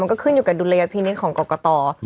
ก็ขึ้นอยู่กับดุระยะพินิจของกกกะตอ